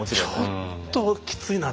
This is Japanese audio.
ちょっときついなと。